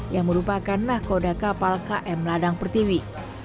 yang merupakan nahkoda kapal km ladang pertiwi